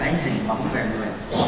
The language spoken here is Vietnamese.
anh hình bóng về người